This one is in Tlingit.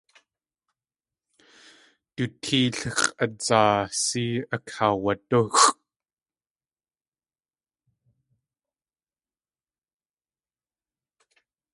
Du téel x̲ʼadzaasí akaawadúxʼ.